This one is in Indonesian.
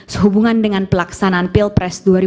sehubungan dengan pelaksanaan pilpres